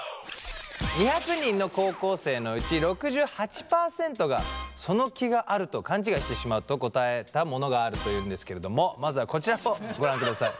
２００人の高校生のうち６８％がその気があると勘違いしてしまうと答えたものがあるというんですけれどもまずはこちらをご覧ください。